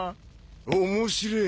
面白え。